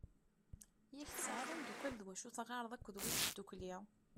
Yak tesɛiḍ imddukal d wacu i teɣɣareḍ akked wid n tddukli.